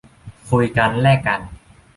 คุยกัน แลกกัน